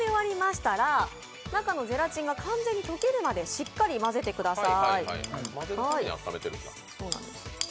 中のゼラチンが完全に溶けるまでしっかり混ぜてください。